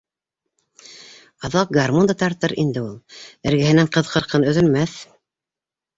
Аҙаҡ гармун да тартыр инде ул, эргәһенән ҡыҙ-ҡырҡын өҙөлмәҫ.